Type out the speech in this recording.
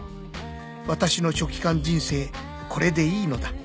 ［私の書記官人生これでいいのだ］